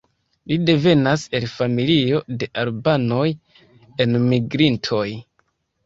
Li devenas el familio de albanoj enmigrintoj.